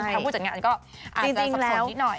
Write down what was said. คำพูดจากงานก็อาจจะสับสนนิดหน่อย